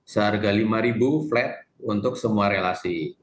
seharga rp lima flat untuk semua relasi